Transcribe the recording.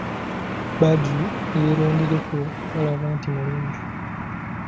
Badru yeerondereko gw'alaba nti mulungi.